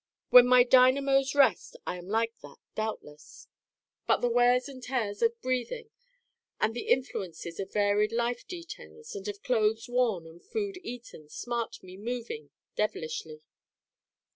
When my dynamos rest I am like that, doubtless. But the wears and tears of breathing and the influences of varied life details and of clothes worn and food eaten start me moving devilishly.